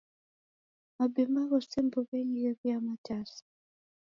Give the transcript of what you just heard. Mabemba ghose mbuw'enyi ghew'uya matasa.